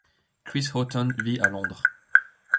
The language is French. Chris Haughton vit à Londres.